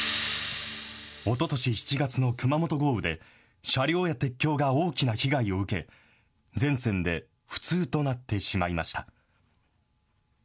おととし７月の熊本豪雨で、車両や鉄橋が大きな被害を受け、全線で不通となってしまいました。